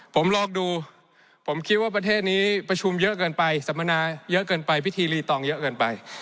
ผมลองดูผมคิดว่าประเทศนี้ประชุมเยอะเกินไปสัมมนาเยอะเกินไปพิธีรีตองเยอะเกินไป